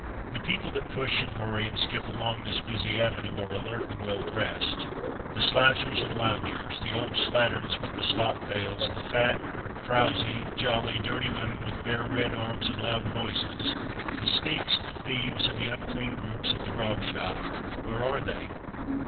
The people that push and hurry and skip along this busy avenue are alert and well dressed. The slouchers and loungers, the old slatterns with the slop pails, the fat, frouzy, jolly, dirty women with bare red arms and loud voices, the sneaks, the thieves, and the unclean groups at the grog shop, where are they?